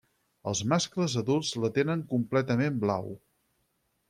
Els mascles adults la tenen completament blau.